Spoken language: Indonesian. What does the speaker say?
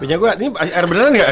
punya gua ini air beneran gak